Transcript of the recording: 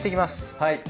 はい。